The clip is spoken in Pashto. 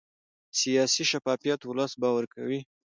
سیاسي شفافیت ولس باوري کوي